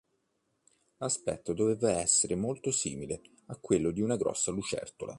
L'aspetto doveva essere molto simile a quello di una grossa lucertola.